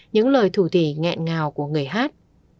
những lời thủ thỉ ngẹn ngào của người hát